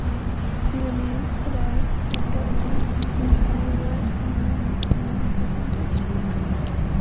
He remains, today, as the Earlham coaching leader in wins and winning percentage.